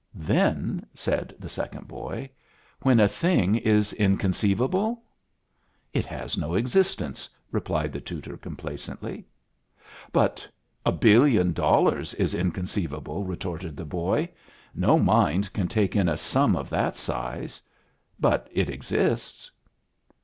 "Then," said the second boy, "when a thing is inconceivable?" "It has no existence," replied the tutor, complacently. "But a billion dollars is inconceivable," retorted the boy. "No mind can take in a sum of that size; but it exists."